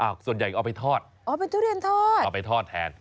ส่วนใหญ่ก็เอาไปทอดอ๋อเป็นทุเรียนทอดเอาไปทอดแทน